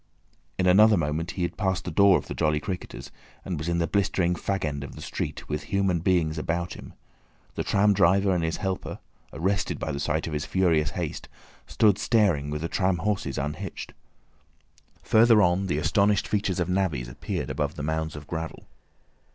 In another moment he had passed the door of the "Jolly Cricketers," and was in the blistering fag end of the street, with human beings about him. The tram driver and his helper—arrested by the sight of his furious haste—stood staring with the tram horses unhitched. Further on the astonished features of navvies appeared above the mounds of gravel.